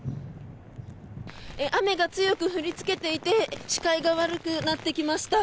雨が強く降りつけていて視界が悪くなってきました。